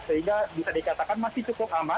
sehingga bisa dikatakan masih cukup aman